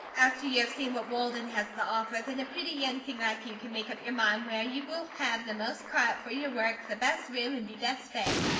After you have seen what Walden has to offer, then a pretty young thing like you can make up your mind where you will have the most quiet fer your work, the best room, and be best fed.